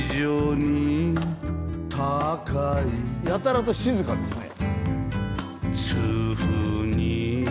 やたらと静かですね。